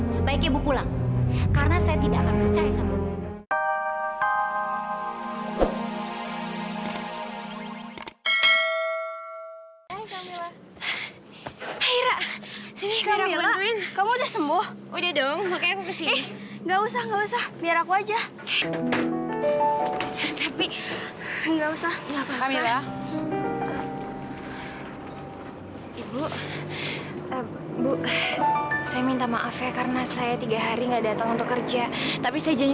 sampai jumpa di video selanjutnya